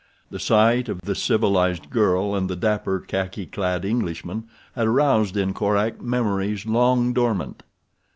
The sight of the civilized girl and the dapper, khaki clad Englishman had aroused in Korak memories long dormant.